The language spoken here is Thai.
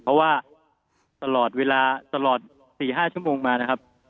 เพราะว่าตลอดเวลา๔๕ชมมานะครับ